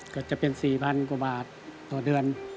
ก็จะเป็น๔๐๐๐กว่าบาทต่อเดือน